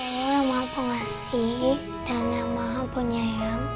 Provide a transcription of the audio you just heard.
ayo yang maha pengasih dan yang maha penyayang